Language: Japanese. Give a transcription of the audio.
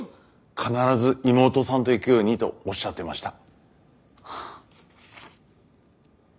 必ず妹さんと行くようにとおっしゃってました。